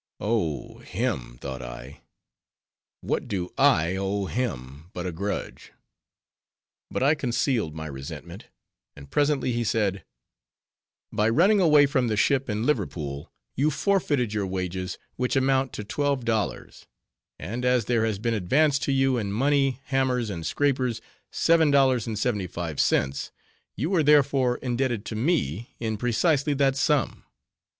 Owe him! thought I—what do I owe him but a grudge, but I concealed my resentment; and presently he said, "By running away from the ship in Liverpool, you forfeited your wages, which amount to twelve dollars; and as there has been advanced to you, in money, hammers, and scrapers, seven dollars and seventy five cents, you are therefore indebted to me in precisely that sum.